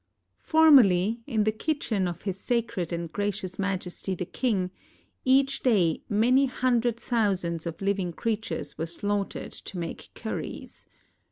Formerly, in the kitchen of His Sacred and Gracious Majesty the King each day many hundred thousands 92 THE ROCK EDICTS OF ASOKA of living creatures were slaughtered to make curries.